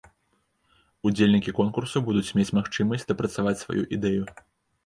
Удзельнікі конкурсу будуць мець магчымасць дапрацаваць сваю ідэю.